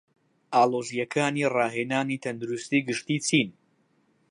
ئاڵۆزیەکانی ڕاهێنانی تەندروستی گشتی چین؟